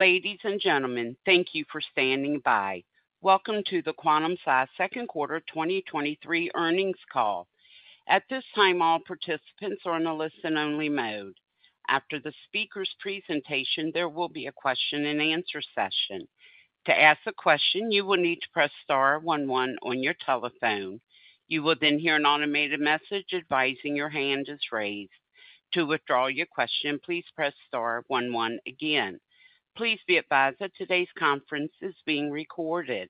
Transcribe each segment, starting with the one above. Ladies and gentlemen, thank you for standing by. Welcome to the Quantum-Si second quarter 2023 earnings call. At this time, all participants are on a listen-only mode. After the speaker's presentation, there will be a question-and-answer session. To ask a question, you will need to press star one on your telephone. You will then hear an automated message advising your hand is raised. To withdraw your question, please press star one again. Please be advised that today's conference is being recorded.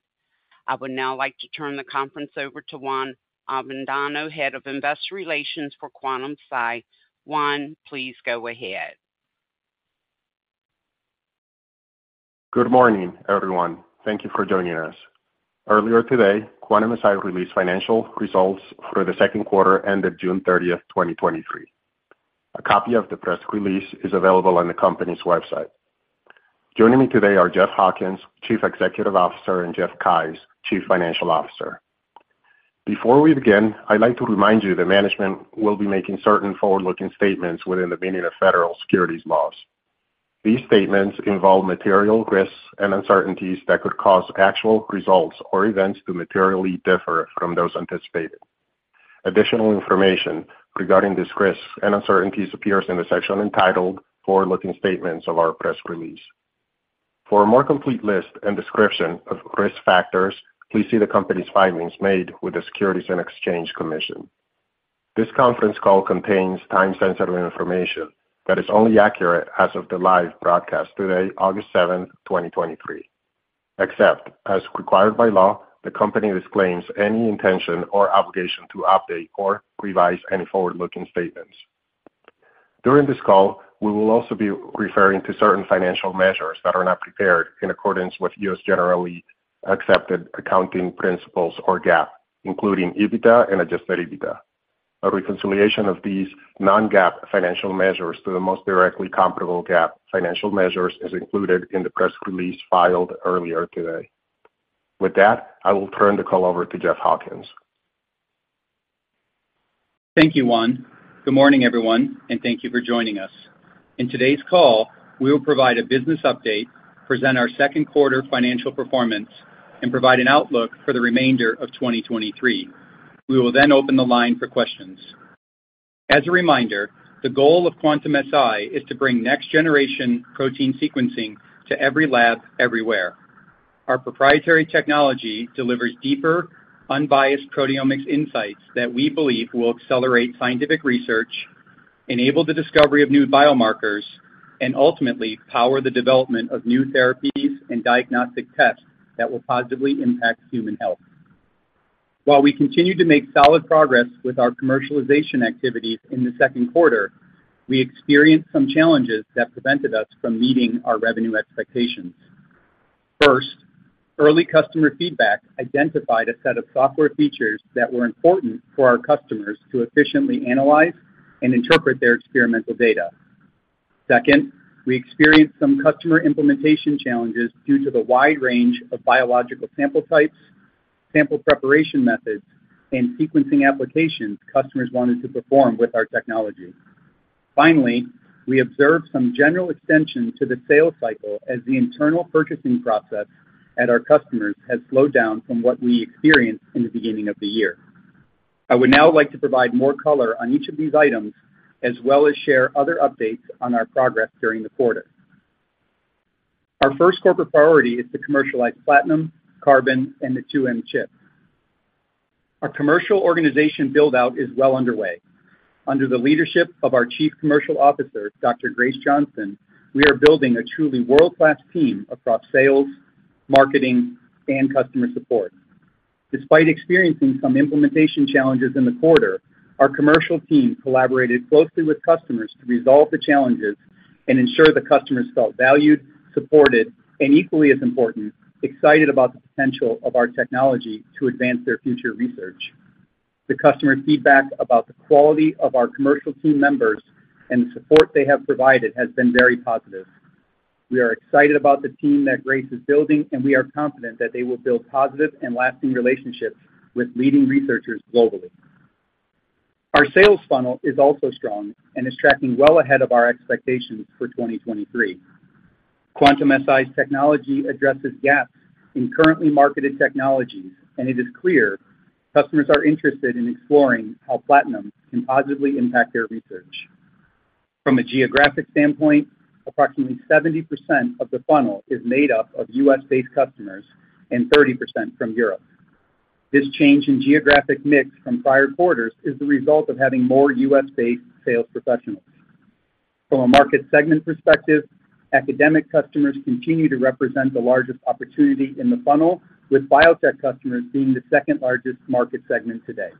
I would now like to turn the conference over to Juan Avendano, Head of Investor Relations for Quantum-Si. Juan, please go ahead. Good morning, everyone. Thank you for joining us. Earlier today, Quantum-Si released financial results for the second quarter ended June 30th, 2023. A copy of the press release is available on the company's website. Joining me today are Jeff Hawkins, Chief Executive Officer, and Jeff Keyes, Chief Financial Officer. Before we begin, I'd like to remind you that management will be making certain forward-looking statements within the meaning of federal securities laws. These statements involve material risks and uncertainties that could cause actual results or events to materially differ from those anticipated. Additional information regarding these risks and uncertainties appears in the section entitled Forward-Looking Statements of our press release. For a more complete list and description of risk factors, please see the company's filings made with the Securities and Exchange Commission. This conference call contains time-sensitive information that is only accurate as of the live broadcast today, August seventh, 2023. Except as required by law, the company disclaims any intention or obligation to update or revise any forward-looking statements. During this call, we will also be referring to certain financial measures that are not prepared in accordance with U.S. generally accepted accounting principles or GAAP, including EBITDA and adjusted EBITDA. A reconciliation of these non-GAAP financial measures to the most directly comparable GAAP financial measures is included in the press release filed earlier today. With that, I will turn the call over to Jeff Hawkins. Thank you, Juan. Good morning, everyone, and thank you for joining us. In today's call, we will provide a business update, present our second quarter financial performance, and provide an outlook for the remainder of 2023. We will then open the line for questions. As a reminder, the goal of Quantum-Si is to bring next-generation protein sequencing to every lab, everywhere. Our proprietary technology delivers deeper, unbiased proteomics insights that we believe will accelerate scientific research, enable the discovery of new biomarkers, and ultimately power the development of new therapies and diagnostic tests that will positively impact human health. While we continue to make solid progress with our commercialization activities in the second quarter, we experienced some challenges that prevented us from meeting our revenue expectations. First, early customer feedback identified a set of software features that were important for our customers to efficiently analyze and interpret their experimental data. Second, we experienced some customer implementation challenges due to the wide range of biological sample types, sample preparation methods, and sequencing applications customers wanted to perform with our technology. Finally, we observed some general extension to the sales cycle as the internal purchasing process at our customers has slowed down from what we experienced in the beginning of the year. I would now like to provide more color on each of these items, as well as share other updates on our progress during the quarter. Our first corporate priority is to commercialize Platinum, Carbon, and the 2M chip. Our commercial organization build out is well underway. Under the leadership of our Chief Commercial Officer. Grace Johnston, we are building a truly world-class team across sales, marketing, and customer support. Despite experiencing some implementation challenges in the quarter, our commercial team collaborated closely with customers to resolve the challenges and ensure the customers felt valued, supported, and equally as important, excited about the potential of our technology to advance their future research. The customer feedback about the quality of our commercial team members and the support they have provided has been very positive. We are excited about the team that Grace is building, and we are confident that they will build positive and lasting relationships with leading researchers globally. Our sales funnel is also strong and is tracking well ahead of our expectations for 2023. Quantum-Si's technology addresses gaps in currently marketed technologies, and it is clear customers are interested in exploring how Platinum can positively impact their research. From a geographic standpoint, approximately 70% of the funnel is made up of US-based customers and 30% from Europe. This change in geographic mix from prior quarters is the result of having more US-based sales professionals. From a market segment perspective, academic customers continue to represent the largest opportunity in the funnel, with biotech customers being the second largest market segment today.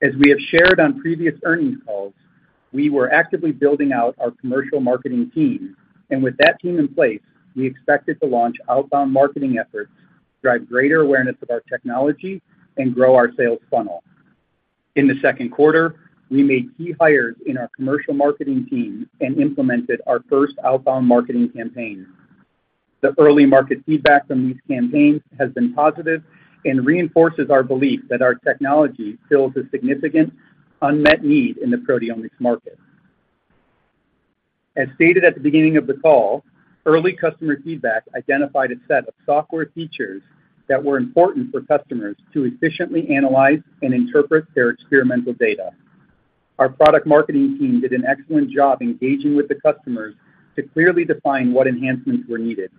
As we have shared on previous earnings calls, we were actively building out our commercial marketing team, and with that team in place, we expected to launch outbound marketing efforts to drive greater awareness of our technology and grow our sales funnel. In the second quarter, we made key hires in our commercial marketing team and implemented our first outbound marketing campaign.... The early market feedback from these campaigns has been positive and reinforces our belief that our technology fills a significant unmet need in the proteomics market. As stated at the beginning of the call, early customer feedback identified a set of software features that were important for customers to efficiently analyze and interpret their experimental data. Our product marketing team did an excellent job engaging with the customers to clearly define what enhancements were needed.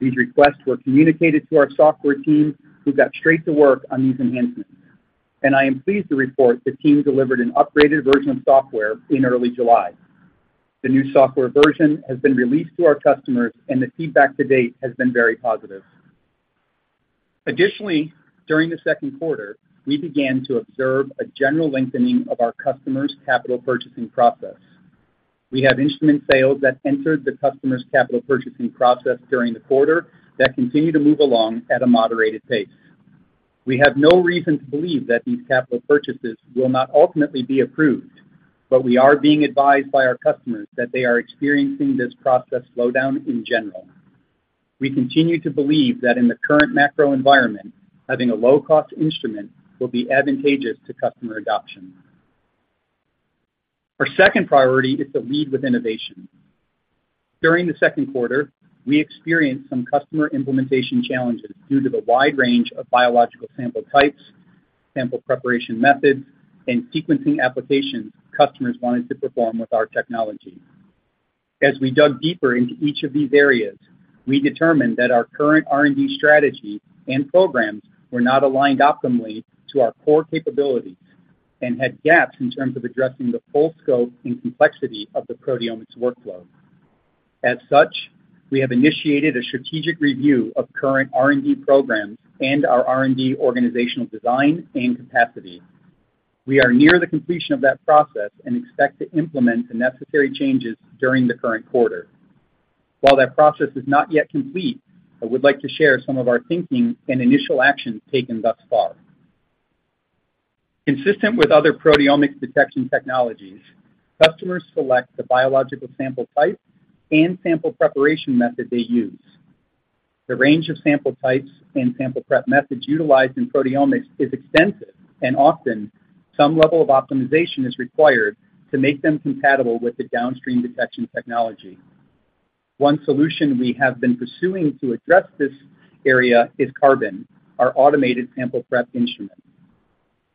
These requests were communicated to our software team, who got straight to work on these enhancements, and I am pleased to report the team delivered an upgraded version of software in early July. The new software version has been released to our customers, and the feedback to date has been very positive. Additionally, during the second quarter, we began to observe a general lengthening of our customers' capital purchasing process. We have instrument sales that entered the customer's capital purchasing process during the quarter that continue to move along at a moderated pace. We have no reason to believe that these capital purchases will not ultimately be approved, but we are being advised by our customers that they are experiencing this process slowdown in general. We continue to believe that in the current macro environment, having a low-cost instrument will be advantageous to customer adoption. Our second priority is to lead with innovation. During the second quarter, we experienced some customer implementation challenges due to the wide range of biological sample types, sample preparation methods, and sequencing applications customers wanted to perform with our technology. As we dug deeper into each of these areas, we determined that our current R&D strategy and programs were not aligned optimally to our core capabilities and had gaps in terms of addressing the full scope and complexity of the proteomics workflow. As such, we have initiated a strategic review of current R&D programs and our R&D organizational design and capacity. We are near the completion of that process and expect to implement the necessary changes during the current quarter. While that process is not yet complete, I would like to share some of our thinking and initial actions taken thus far. Consistent with other proteomics detection technologies, customers select the biological sample type and sample preparation method they use. The range of sample types and sample prep methods utilized in proteomics is extensive, and often, some level of optimization is required to make them compatible with the downstream detection technology. One solution we have been pursuing to address this area is Carbon, our automated sample prep instrument.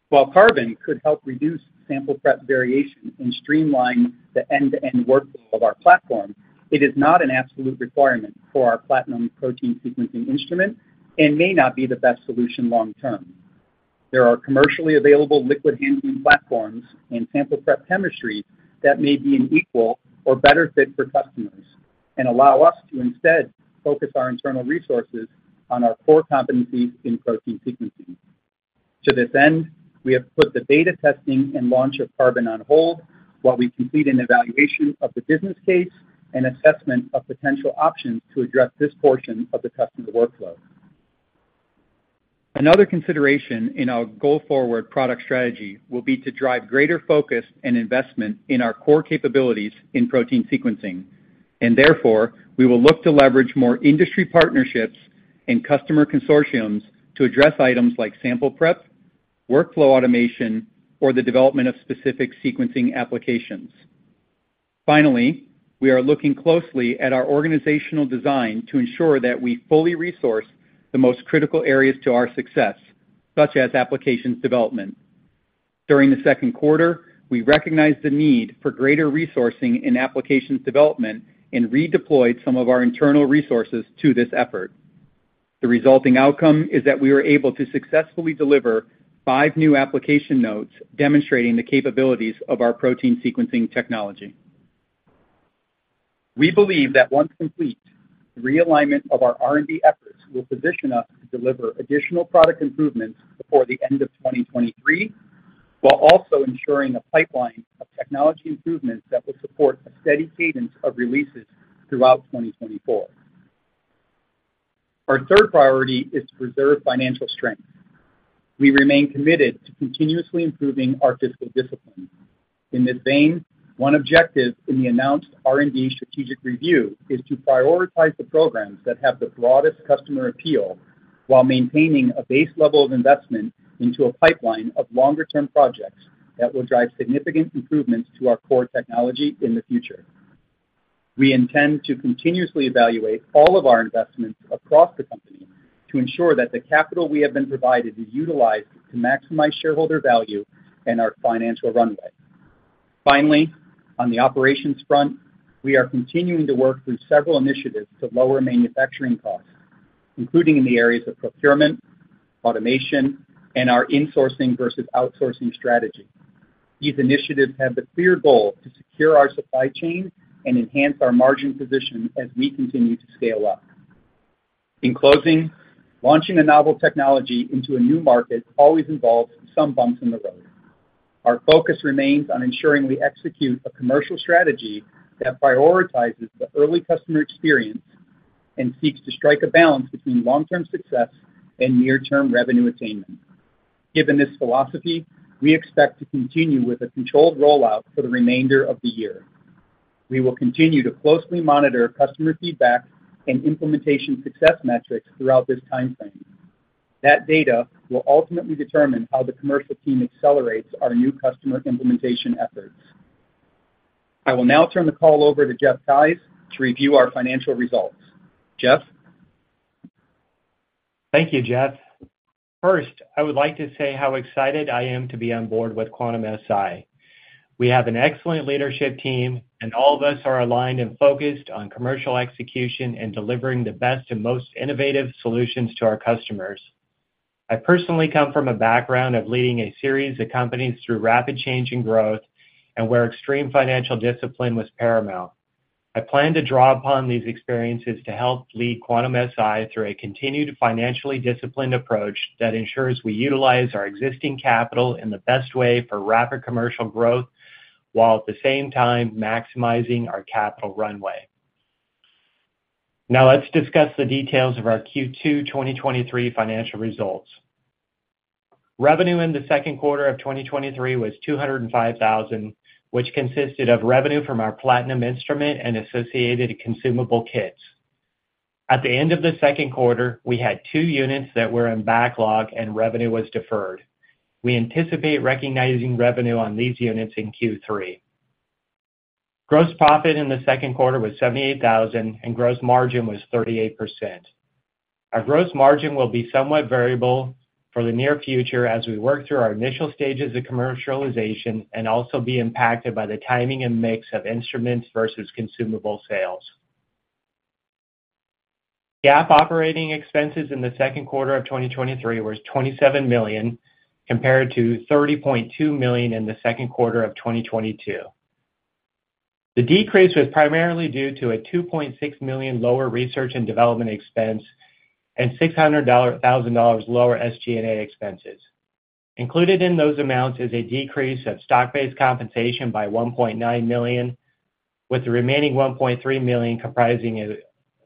While Carbon could help reduce sample prep variation and streamline the end-to-end workflow of our platform, it is not an absolute requirement for our Platinum protein sequencing instrument and may not be the best solution long term. There are commercially available liquid handling platforms and sample prep chemistry that may be an equal or better fit for customers and allow us to instead focus our internal resources on our core competencies in protein sequencing. To this end, we have put the beta testing and launch of Carbon on hold while we complete an evaluation of the business case and assessment of potential options to address this portion of the customer workflow. Another consideration in our go-forward product strategy will be to drive greater focus and investment in our core capabilities in protein sequencing, and therefore, we will look to leverage more industry partnerships and customer consortiums to address items like sample prep, workflow automation, or the development of specific sequencing applications. Finally, we are looking closely at our organizational design to ensure that we fully resource the most critical areas to our success, such as applications development. During the second quarter, we recognized the need for greater resourcing in applications development and redeployed some of our internal resources to this effort. The resulting outcome is that we were able to successfully deliver five new application notes demonstrating the capabilities of our protein sequencing technology. We believe that once complete, the realignment of our R&D efforts will position us to deliver additional product improvements before the end of 2023, while also ensuring a pipeline of technology improvements that will support a steady cadence of releases throughout 2024. Our third priority is to preserve financial strength. We remain committed to continuously improving our fiscal discipline. In this vein, one objective in the announced R&D strategic review is to prioritize the programs that have the broadest customer appeal while maintaining a base level of investment into a pipeline of longer-term projects that will drive significant improvements to our core technology in the future. We intend to continuously evaluate all of our investments across the company to ensure that the capital we have been provided is utilized to maximize shareholder value and our financial runway. Finally, on the operations front, we are continuing to work through several initiatives to lower manufacturing costs, including in the areas of procurement, automation, and our insourcing versus outsourcing strategy. These initiatives have the clear goal to secure our supply chain and enhance our margin position as we continue to scale up. In closing, launching a novel technology into a new market always involves some bumps in the road. Our focus remains on ensuring we execute a commercial strategy that prioritizes the early customer experience and seeks to strike a balance between long-term success and near-term revenue attainment. Given this philosophy, we expect to continue with a controlled rollout for the remainder of the year. We will continue to closely monitor customer feedback and implementation success metrics throughout this time frame. That data will ultimately determine how the commercial team accelerates our new customer implementation efforts. I will now turn the call over to Jeff Keyes to review our financial results. Jeff? Thank you, Jeff. First, I would like to say how excited I am to be on board with Quantum-Si. We have an excellent leadership team, and all of us are aligned and focused on commercial execution and delivering the best and most innovative solutions to our customers. I personally come from a background of leading a series of companies through rapid change and growth, and where extreme financial discipline was paramount. I plan to draw upon these experiences to help lead Quantum-Si through a continued financially disciplined approach that ensures we utilize our existing capital in the best way for rapid commercial growth, while at the same time maximizing our capital runway. Let's discuss the details of our Q2 2023 financial results. Revenue in Q2 2023 was $205,000, which consisted of revenue from our Platinum instrument and associated consumable kits. At the end of the second quarter, we had two units that were in backlog and revenue was deferred. We anticipate recognizing revenue on these units in Q3. Gross profit in the second quarter was $78,000, and gross margin was 38%. Our gross margin will be somewhat variable for the near future as we work through our initial stages of commercialization and also be impacted by the timing and mix of instruments versus consumable sales. GAAP operating expenses in Q2 2023 were $27 million, compared to $30.2 million in Q2 2022. The decrease was primarily due to a $2.6 million lower research and development expense and $600,000 lower SG&A expenses. Included in those amounts is a decrease of stock-based compensation by $1.9 million, with the remaining $1.3 million comprising a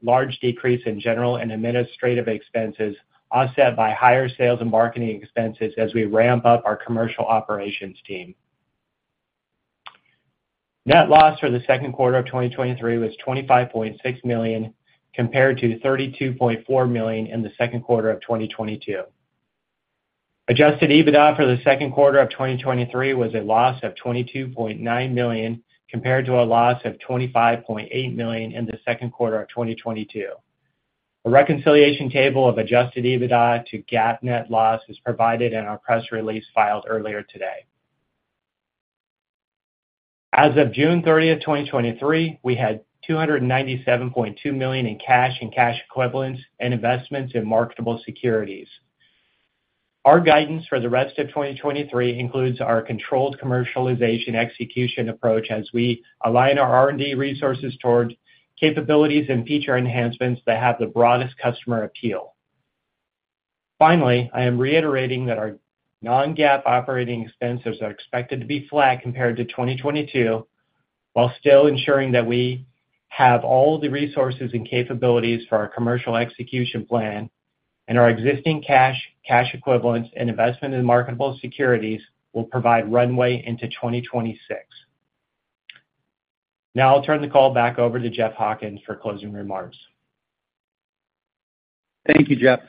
large decrease in general and administrative expenses, offset by higher sales and marketing expenses as we ramp up our commercial operations team. Net loss for the second quarter of 2023 was $25.6 million, compared to $32.4 million in the second quarter of 2022. Adjusted EBITDA for the second quarter of 2023 was a loss of $22.9 million, compared to a loss of $25.8 million in the second quarter of 2022. A reconciliation table of adjusted EBITDA to GAAP net loss is provided in our press release filed earlier today. As of June 30th, 2023, we had $297.2 million in cash and cash equivalents and investments in marketable securities. Our guidance for the rest of 2023 includes our controlled commercialization execution approach as we align our R&D resources toward capabilities and feature enhancements that have the broadest customer appeal. I am reiterating that our non-GAAP operating expenses are expected to be flat compared to 2022, while still ensuring that we have all the resources and capabilities for our commercial execution plan, and our existing cash, cash equivalents, and investment in marketable securities will provide runway into 2026. Now I'll turn the call back over to Jeff Hawkins for closing remarks. Thank you, Jeff.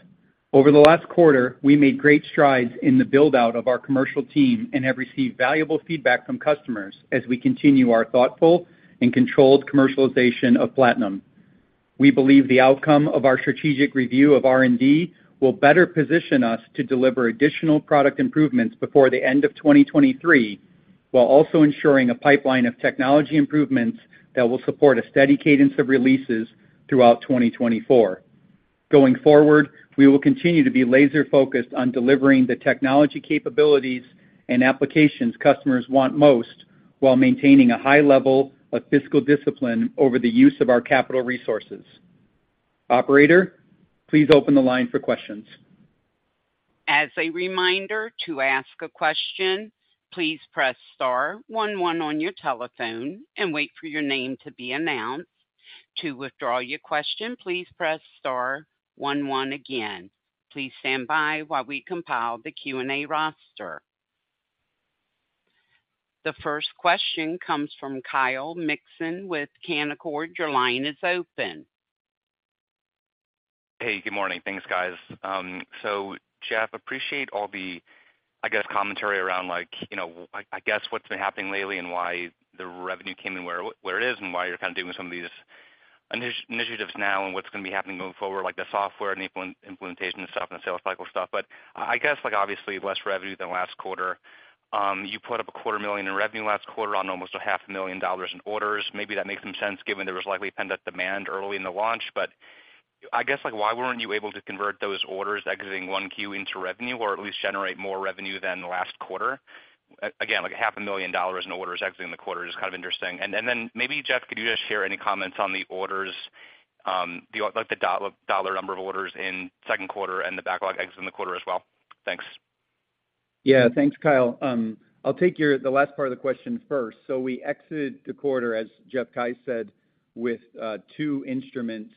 Over the last quarter, we made great strides in the build-out of our commercial team and have received valuable feedback from customers as we continue our thoughtful and controlled commercialization of Platinum. We believe the outcome of our strategic review of R&D will better position us to deliver additional product improvements before the end of 2023, while also ensuring a pipeline of technology improvements that will support a steady cadence of releases throughout 2024. Going forward, we will continue to be laser focused on delivering the technology capabilities and applications customers want most, while maintaining a high level of fiscal discipline over the use of our capital resources. Operator, please open the line for questions. As a reminder, to ask a question, please press star one on your telephone and wait for your name to be announced. To withdraw your question, please press star one again. Please stand by while we compile the Q&A roster. The first question comes from Kyle Mikson with Canaccord. Your line is open. Hey, good morning. Thanks, guys. Jeff, appreciate all the, I guess, commentary around like, you know, I, I guess what's been happening lately and why the revenue came in, where, where it is, and why you're kind of doing some of these ini- initiatives now, and what's going to be happening going forward, like the software and impl- implementation stuff and the sales cycle stuff. I guess, like, obviously, less revenue than last quarter. You put up $250,000 in revenue last quarter on almost $500,000 in orders. Maybe that makes some sense, given there was likely pent-up demand early in the launch. I guess, like, why weren't you able to convert those orders exiting 1 Q into revenue or at least generate more revenue than the last quarter? Again, like $500,000 in orders exiting the quarter is kind of interesting. Then maybe, Jeff, could you just share any comments on the orders, the dollar number of orders in second quarter and the backlog exiting the quarter as well? Thanks. Yeah. Thanks, Kyle. I'll take the last part of the question first. We exited the quarter, as Jeff Keyes said, with two instruments....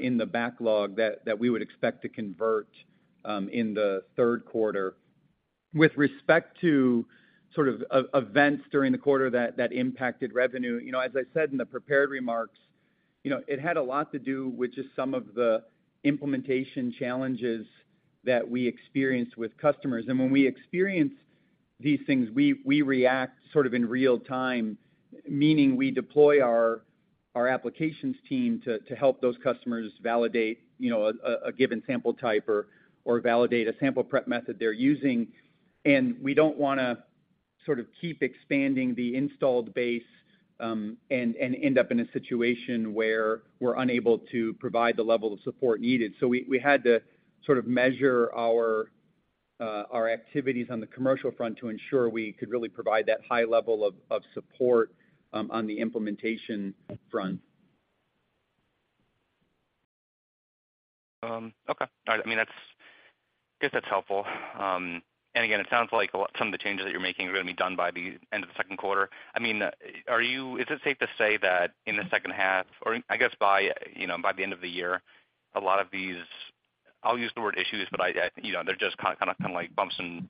in the backlog that we would expect to convert in the third quarter. With respect to sort of events during the quarter that impacted revenue, you know, as I said in the prepared remarks, you know, it had a lot to do with just some of the implementation challenges that we experienced with customers. When we experience these things, we react sort of in real time, meaning we deploy our applications team to help those customers validate, you know, a given sample type or validate a sample prep method they're using. We don't wanna sort of keep expanding the installed base and end up in a situation where we're unable to provide the level of support needed. We, we had to sort of measure our, our activities on the commercial front to ensure we could really provide that high level of, of support, on the implementation front. Okay. All right, I mean, that's I guess that's helpful. Again, it sounds like a lot some of the changes that you're making are gonna be done by the end of the second quarter. I mean, are you is it safe to say that in the second half, or I guess by, you know, by the end of the year, a lot of these, I'll use the word issues, but I, I, you know, they're just kind of, kind of like bumps and,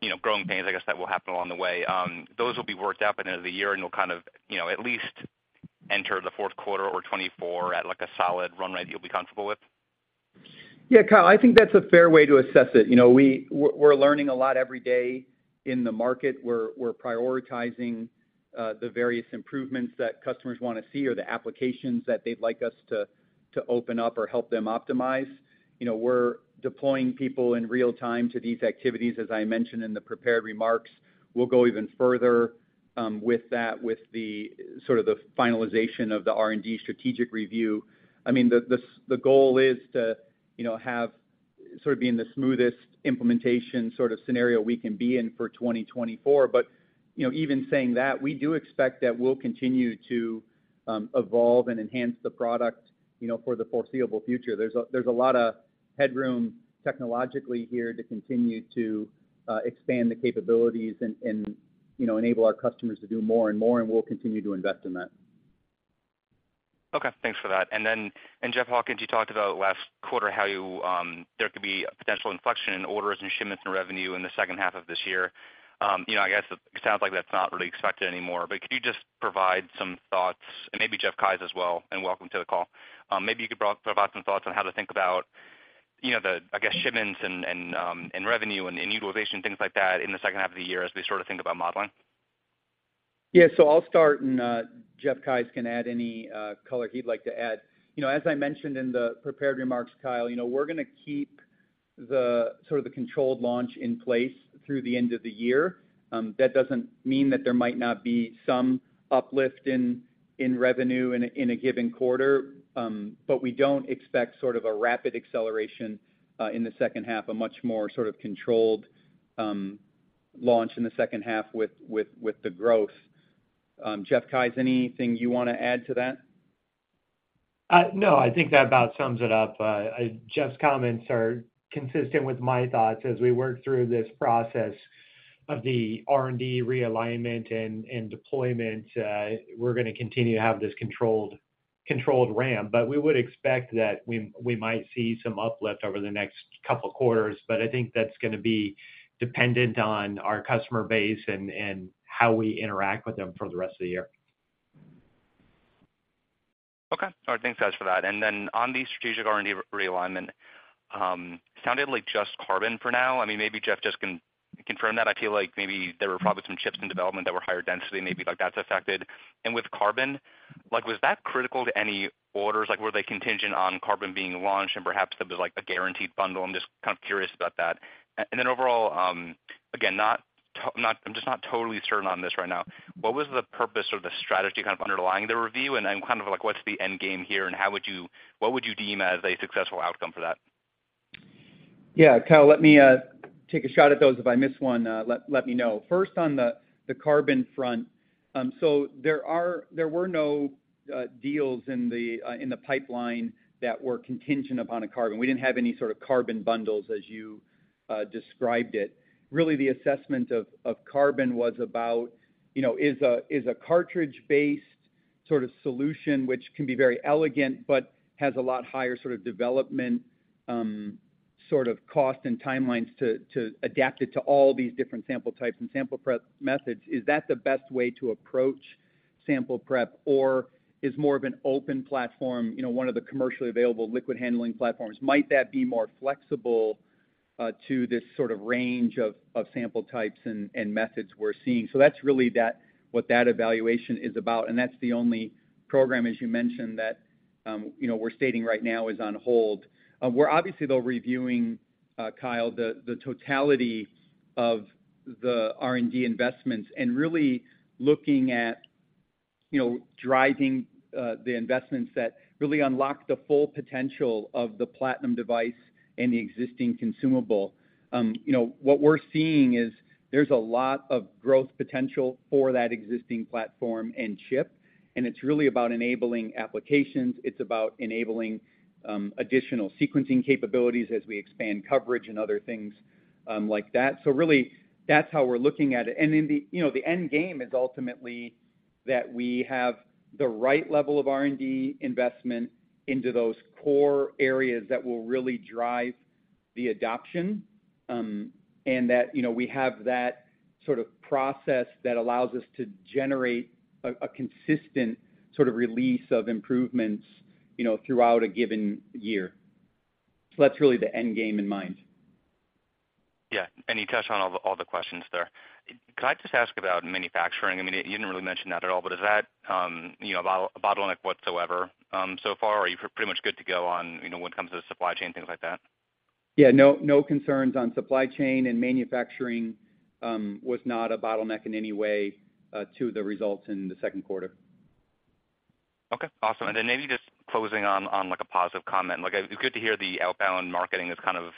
you know, growing pains, I guess, that will happen along the way? Those will be worked out by the end of the year, and you'll kind of, you know, at least enter the fourth quarter or 2024 at, like, a solid run rate you'll be comfortable with? Yeah, Kyle, I think that's a fair way to assess it. You know, we're, we're learning a lot every day in the market. We're, we're prioritizing the various improvements that customers wanna see or the applications that they'd like us to, to open up or help them optimize. You know, we're deploying people in real time to these activities. As I mentioned in the prepared remarks, we'll go even further with that, with the sort of the finalization of the R&D strategic review. I mean, the goal is to, you know, have sort of be in the smoothest implementation sort of scenario we can be in for 2024. You know, even saying that, we do expect that we'll continue to evolve and enhance the product, you know, for the foreseeable future. There's a, there's a lot of headroom technologically here to continue to expand the capabilities and, and, you know, enable our customers to do more and more, and we'll continue to invest in that. Okay, thanks for that. Then, Jeff Hawkins, you talked about last quarter how you, there could be a potential inflection in orders and shipments and revenue in the second half of this year. You know, I guess it sounds like that's not really expected anymore, but could you just provide some thoughts, and maybe Jeff Keyes as well, and welcome to the call. Maybe you could provide some thoughts on how to think about, you know, the, I guess, shipments and, and, and revenue and, and utilization, things like that in the second half of the year as we sort of think about modeling. Yeah, I'll start, and Jeff Keyes can add any color he'd like to add. You know, as I mentioned in the prepared remarks, Kyle, you know, we're gonna keep the, sort of the controlled launch in place through the end of the year. That doesn't mean that there might not be some uplift in, in revenue in a, in a given quarter, but we don't expect sort of a rapid acceleration in the second half, a much more sort of controlled launch in the second half with, with, with the growth. Jeff Keyes, anything you wanna add to that? No, I think that about sums it up. Jeff's comments are consistent with my thoughts as we work through this process of the R&D realignment and deployment. We're gonna continue to have this controlled, controlled ramp, but we would expect that we might see some uplift over the next couple quarters. I think that's gonna be dependent on our customer base and how we interact with them for the rest of the year. Okay. All right, thanks, guys, for that. Then on the strategic R&D realignment, sounded like just Carbon for now. I mean, maybe Jeff just confirm that. I feel like maybe there were probably some chips in development that were higher density, maybe like that's affected. With Carbon, like, was that critical to any orders? Like, were they contingent on Carbon being launched, and perhaps there'll be like, a guaranteed bundle? I'm just kind of curious about that. Then overall, again, I'm just not totally certain on this right now. What was the purpose or the strategy kind of underlying the review? Then kind of like, what's the end game here, and how would you what would you deem as a successful outcome for that? Yeah, Kyle, let me take a shot at those. If I miss one, let, let me know. First, on the, the Carbon front, so there were no deals in the, in the pipeline that were contingent upon a Carbon. We didn't have any sort of Carbon bundles as you described it. Really, the assessment of, of Carbon was about, you know, is a, is a cartridge-based sort of solution, which can be very elegant but has a lot higher sort of development, sort of cost and timelines to, to adapt it to all these different sample types and sample prep methods. Is that the best way to approach sample prep, or is more of an open platform, you know, one of the commercially available liquid handling platforms? Might that be more flexible to this sort of range of, of sample types and, and methods we're seeing? That's really what that evaluation is about, and that's the only program, as you mentioned, that, you know, we're stating right now is on hold. We're obviously, though, reviewing, Kyle, the totality of the R&D investments and really looking at, you know, driving, the investments that really unlock the full potential of the Platinum device and the existing consumable. You know, what we're seeing is there's a lot of growth potential for that existing platform and chip, and it's really about enabling applications. It's about enabling, additional sequencing capabilities as we expand coverage and other things like that. Really, that's how we're looking at it. The, you know, the end game is ultimately that we have the right level of R&D investment into those core areas that will really drive the adoption, and that, you know, we have that sort of process that allows us to generate a, a consistent sort of release of improvements, you know, throughout a given year. That's really the end game in mind. Yeah, you touched on all the, all the questions there. Could I just ask about manufacturing? I mean, you didn't really mention that at all, but is that, you know, a bottleneck whatsoever, so far, or are you pretty much good to go on, you know, when it comes to the supply chain, things like that? Yeah, no, no concerns on supply chain, and manufacturing, was not a bottleneck in any way, to the results in the second quarter. Okay, awesome. Maybe just closing on, on, like a positive comment. Like, it's good to hear the outbound marketing is kind of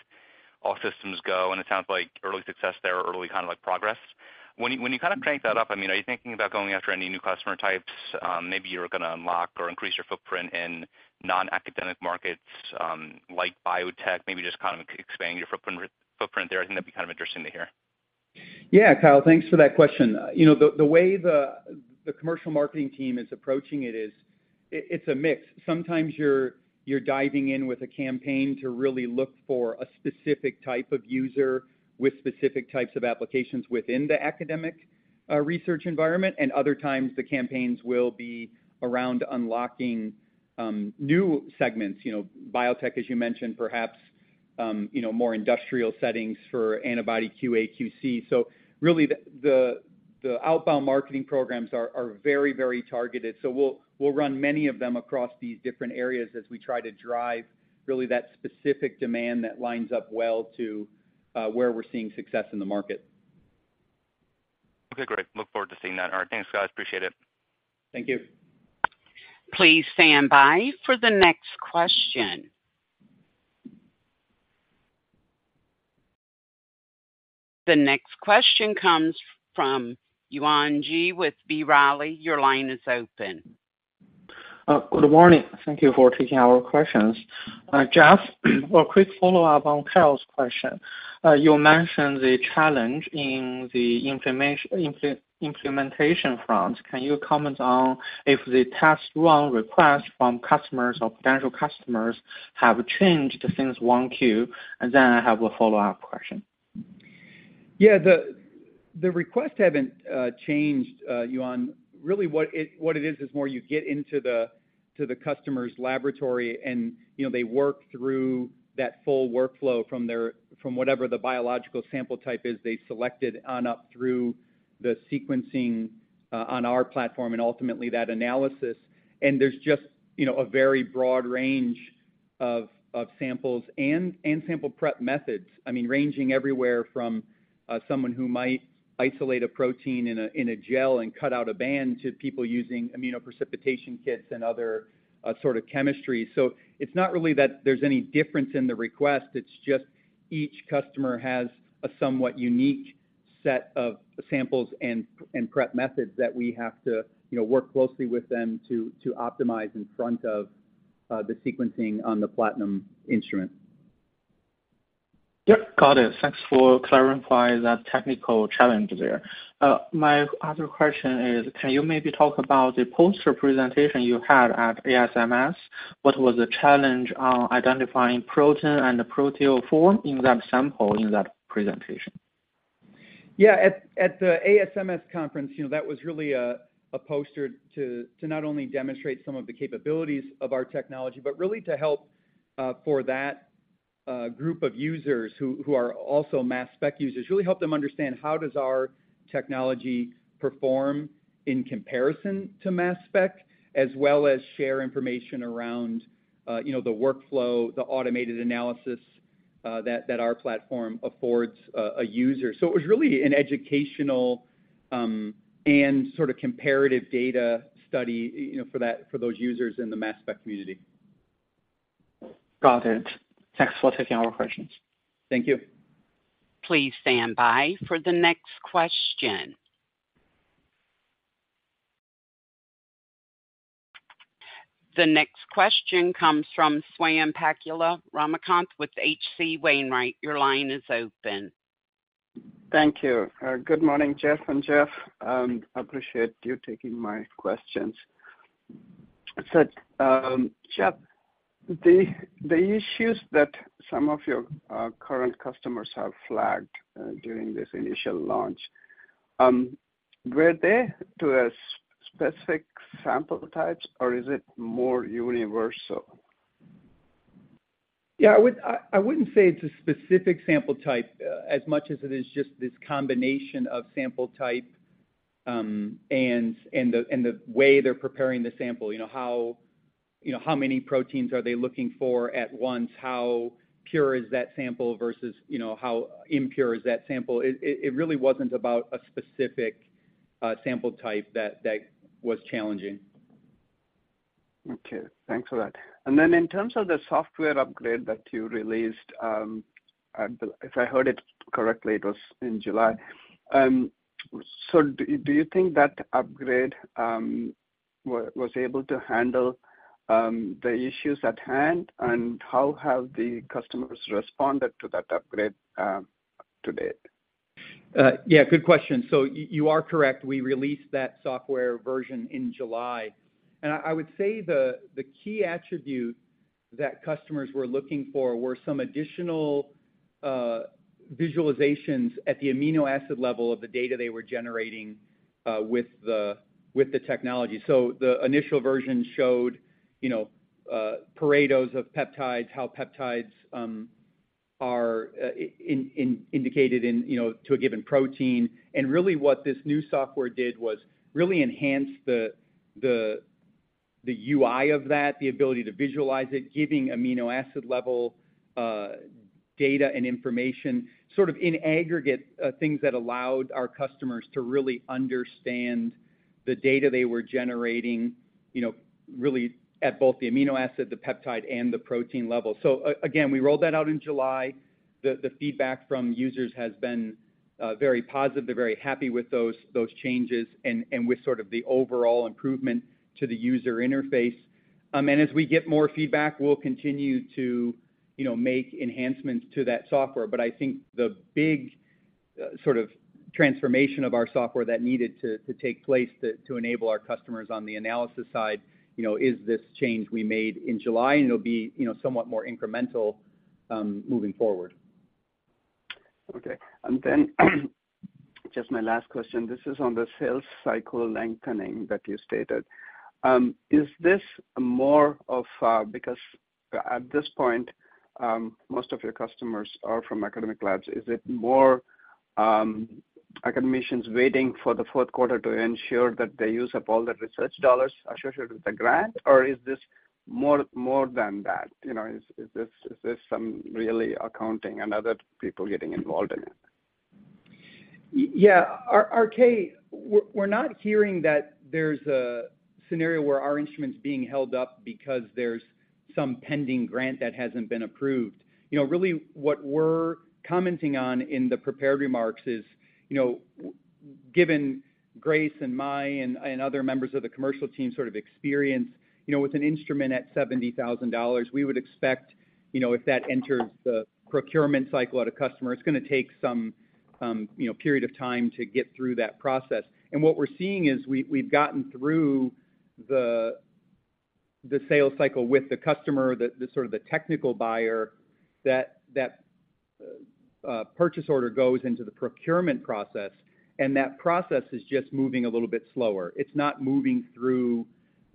all systems go, and it sounds like early success there or early kind of like progress. When you, when you kind of crank that up, I mean, are you thinking about going after any new customer types? Maybe you're gonna unlock or increase your footprint in non-academic markets, like biotech, maybe just kind of expanding your footprint, footprint there. I think that'd be kind of interesting to hear. Yeah, Kyle, thanks for that question. You know, the way the commercial marketing team is approaching it is, it's a mix. Sometimes you're, you're diving in with a campaign to really look for a specific type of user with specific types of applications within the academic research environment, and other times the campaigns will be around unlocking new segments. You know, biotech, as you mentioned, perhaps, you know, more industrial settings for antibody QA/QC. Really, the outbound marketing programs are very, very targeted. We'll run many of them across these different areas as we try to drive really that specific demand that lines up well to where we're seeing success in the market. Okay, great. Look forward to seeing that. All right, thanks, guys. Appreciate it. Thank you. Please stand by for the next question. The next question comes from Yuan Zhi with B. Riley Securities. Your line is open. Good morning. Thank you for taking our questions. Jeff, a quick follow-up on Kyle's question. You mentioned the challenge in the implementation front. Can you comment on if the test run request from customers or potential customers have changed since 1Q? Then I have a follow-up question. Yeah, the, the requests haven't changed, Yuan. Really, what it, what it is, is more you get into the, to the customer's laboratory and, you know, they work through that full workflow from their, from whatever the biological sample type is they selected on up through the sequencing on our platform and ultimately that analysis. And there's just, you know, a very broad range of, of samples and, and sample prep methods, I mean, ranging everywhere from someone who might isolate a protein in a, in a gel and cut out a band, to people using immunoprecipitation kits and other sort of chemistry. It's not really that there's any difference in the request, it's just each customer has a somewhat unique set of samples and, and prep methods that we have to, you know, work closely with them to, to optimize in front of the sequencing on the Platinum instrument. Yep, got it. Thanks for clarifying that technical challenge there. My other question is, can you maybe talk about the poster presentation you had at ASMS? What was the challenge on identifying protein and the proteoform in that sample, in that presentation? Yeah, at, at the ASMS conference, you know, that was really a, a poster to, to not only demonstrate some of the capabilities of our technology, but really to help for that group of users who, who are also mass spec users, really help them understand how does our technology perform in comparison to mass spec, as well as share information around, you know, the workflow, the automated analysis that our platform affords a user. It was really an educational and sort of comparative data study, you know, for that, for those users in the mass spec community. Got it. Thanks for taking our questions. Thank you. Please stand by for the next question. The next question comes from Swayampakula Ramakanth with H.C. Wainwright. Your line is open. Thank you. Good morning, Jeff and Jeff. Appreciate you taking my questions. Jeff, the issues that some of your current customers have flagged during this initial launch, were they to a specific sample types, or is it more universal? Yeah, I wouldn't say it's a specific sample type, as much as it is just this combination of sample type, and the way they're preparing the sample. You know, how, you know, how many proteins are they looking for at once? How pure is that sample versus, you know, how impure is that sample? It really wasn't about a specific sample type that was challenging. Okay, thanks for that. Then in terms of the software upgrade that you released, if I heard it correctly, it was in July. Do, do you think that upgrade was, was able to handle the issues at hand, and how have the customers responded to that upgrade to date? Yeah, good question. Y-you are correct, we released that software version in July. I, I would say the, the key attribute that customers were looking for were some additional visualizations at the amino acid level of the data they were generating with the technology. The initial version showed, you know, Paretos of peptides, how peptides are in, in, indicated in, you know, to a given protein. Really what this new software did was really enhance the, the, the UI of that, the ability to visualize it, giving amino acid level data and information, sort of in aggregate, things that allowed our customers to really understand the data they were generating, you know, really at both the amino acid, the peptide, and the protein level. A-again, we rolled that out in July. The, the feedback from users has been very positive. They're very happy with those, those changes and with sort of the overall improvement to the user interface. As we get more feedback, we'll continue to, you know, make enhancements to that software. I think the big sort of transformation of our software that needed to take place to enable our customers on the analysis side, you know, is this change we made in July, and it'll be, you know, somewhat more incremental moving forward. Okay. Just my last question. This is on the sales cycle lengthening that you stated. Is this more of, because at this point, most of your customers are from academic labs, is it more, academicians waiting for the fourth quarter to ensure that they use up all the research dollars associated with the grant? Or is this more, more than that? You know, is, is this, is this some really accounting and other people getting involved in it? yeah. RK, we're, we're not hearing that there's a scenario where our instrument's being held up because there's some pending grant that hasn't been approved. You know, really what we're commenting on in the prepared remarks is, you know, given Grace and Mai and, and other members of the commercial team sort of experience, you know, with an instrument at $70,000, we would expect, you know, if that enters the procurement cycle at a customer, it's gonna take some, you know, period of time to get through that process. And what we're seeing is we, we've gotten through the, the sales cycle with the customer, the, the sort of the technical buyer, that, that purchase order goes into the procurement process, and that process is just moving a little bit slower. It's not moving through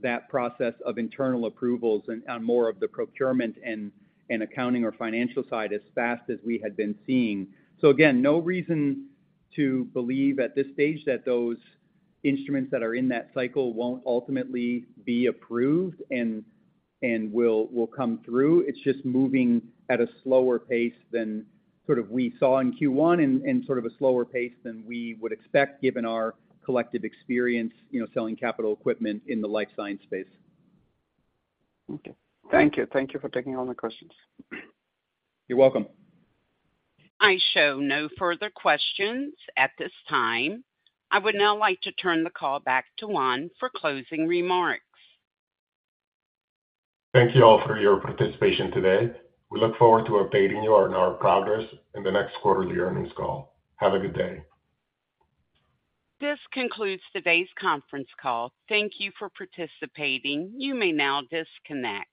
that process of internal approvals and, on more of the procurement and, and accounting or financial side as fast as we had been seeing. Again, no reason to believe at this stage that those instruments that are in that cycle won't ultimately be approved and, and will, will come through. It's just moving at a slower pace than sort of we saw in Q1 and, and sort of a slower pace than we would expect, given our collective experience, you know, selling capital equipment in the life science space. Okay. Thank you. Thank you for taking all my questions. You're welcome. I show no further questions at this time. I would now like to turn the call back to Juan for closing remarks. Thank you all for your participation today. We look forward to updating you on our progress in the next quarterly earnings call. Have a good day. This concludes today's conference call. Thank you for participating. You may now disconnect.